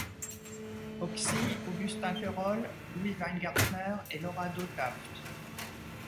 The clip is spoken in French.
Hoxie, Augustin Querol, Louis Weingartner et Lorado Taft.